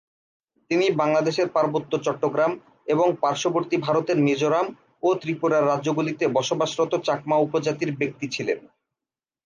তিনি বাংলাদেশের পার্বত্য চট্টগ্রাম এবং পার্শ্ববর্তী ভারতের মিজোরাম ও ত্রিপুরার রাজ্যগুলিতে বসবাসরত চাকমা উপজাতির ব্যক্তি ছিলেন।